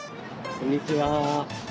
こんにちは。